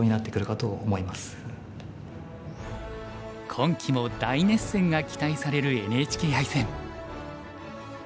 今期も大熱戦が期待されるＮＨＫ杯戦。